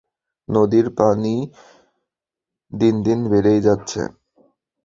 নদীর পানি দিন দিন বেড়েই যাচ্ছে।